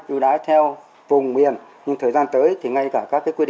ưu đái theo vùng miền nhưng thời gian tới thì ngay cả các cái giá trị của fdi